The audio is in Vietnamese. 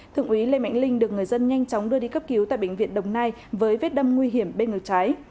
thượng úy lê mạnh linh được người dân nhanh chóng đưa đi cấp cứu tại bệnh viện đồng nai với vết đâm nguy hiểm bên ngược trái